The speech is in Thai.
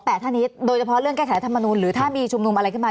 ขอแปะท่านีโดยเฉพาะเรื่องแก้แข่งธรรมนูลหรือถ้ามีชุมนุมอะไรขึ้นมา